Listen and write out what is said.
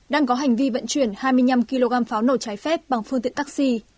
đang có hành vi vận chuyển hai mươi năm kg pháo nổ trái phép bằng phương tiện taxi